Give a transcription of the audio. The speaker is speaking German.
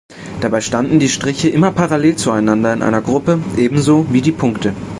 Dabei standen die Striche immer parallel zueinander in einer Gruppe, ebenso wie die Punkte.